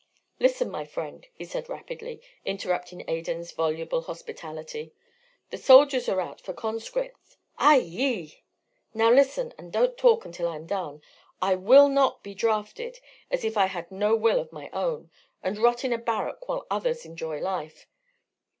"Listen, my friend," he said rapidly, interrupting Adan's voluble hospitality. "The soldiers are out for conscripts " "Ay, yi! " "Now listen, and don't talk until I am done. I WILL NOT be drafted as if I had no will of my own, and rot in a barrack while others enjoy life.